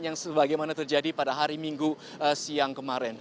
yang sebagaimana terjadi pada hari minggu siang kemarin